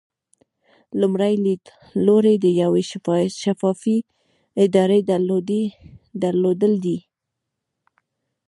لومړی لیدلوری د یوې شفافې ادارې درلودل دي.